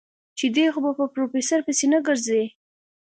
چې دی خو به په پروفيسر پسې نه ګرځي.